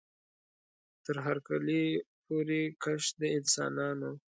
تر هر کلي پوري کښ د انسانانو